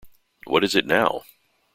What is it now?